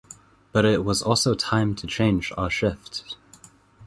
But it was also time to change our shift.